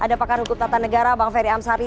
ada pak rukut tata negara bang ferry amsari